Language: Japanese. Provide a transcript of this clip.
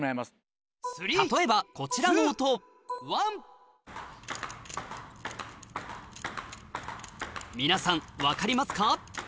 例えばこちらの音皆さん分かりますか？